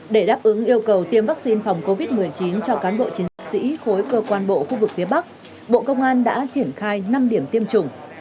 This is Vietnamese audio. để đáp ứng yêu cầu tiêm vaccine phòng covid một mươi chín cho cán bộ chiến sĩ khối cơ quan bộ khu vực phía bắc bộ công an đã triển khai năm điểm tiêm chủng